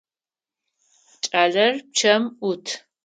Кӏалэр пчъэм ӏут.